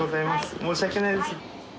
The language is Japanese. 申し訳ないです。